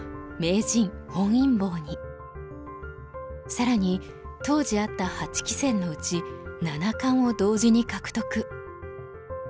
更に当時あった八棋戦のうち七冠を同時に獲得。